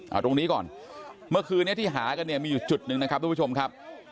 เอาตรงนี้ก่อนเมื่อคืนนี้ที่หากันเนี่ยมีอยู่จุดหนึ่งนะครับทุกผู้ชมครับ